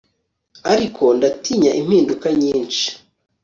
ariko ndatinya impinduka nyinshi